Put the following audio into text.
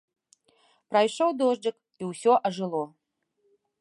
Прайшоў дожджык, і ўсё ажыло.